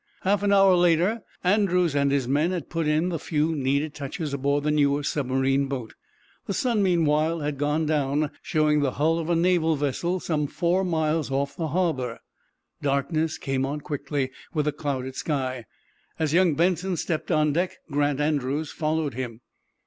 Half an hour later Andrews and his men had put in the few needed touches aboard the newer submarine boat. The sun, meanwhile, had gone down, showing the hull of a naval vessel some four miles off the harbor. Darkness came on quickly, with a clouded sky. As young Benson stepped on deck Grant Andrews followed him.